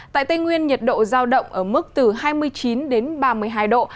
tại tây nguyên nhiệt độ giao động ở mức từ hai mươi chín đến ba mươi hai độ